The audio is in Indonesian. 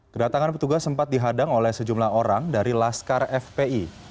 kedatangan petugas sempat dihadang oleh sejumlah orang dari laskar fpi